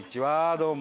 どうも。